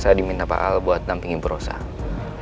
saya diminta pak al buat dampingi berusaha